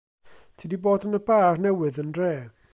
Ti 'di bod yn y bar newydd yn dre?